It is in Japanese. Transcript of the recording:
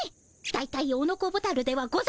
だいたいオノコボタルではございません。